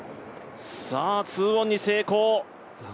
２オンに成功！